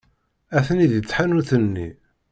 Atni deg tḥanut-nni.